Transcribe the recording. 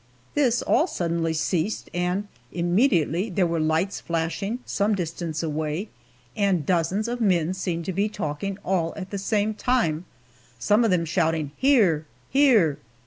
This all suddenly ceased, and immediately there were lights flashing some distance away, and dozens of men seemed to be talking all at the same time, some of them shouting, "Here!" "Here!"